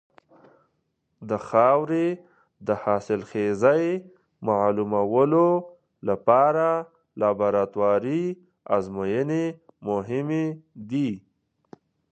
د خاورې د حاصلخېزۍ معلومولو لپاره لابراتواري ازموینې مهمې دي.